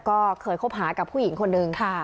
ก็เคยคบหากับผู้หญิงคนหนึ่ง